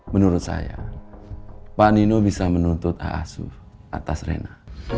menurut saya pak nino bisa menuntut aasu atas rena